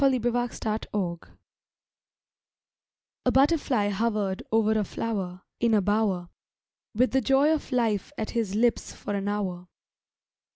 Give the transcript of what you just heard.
A BUTTERFLY A butterfly hovered over a flower, In a bower, With the joy of life at his lips for an hour.